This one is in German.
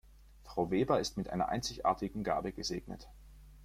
Frau Weber ist mit einer einzigartigen Gabe gesegnet.